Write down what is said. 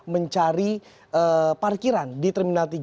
mencari parkiran di terminal tiga